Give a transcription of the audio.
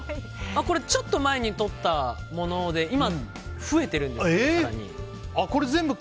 これ、ちょっと前に撮ったもので今、増えているんです。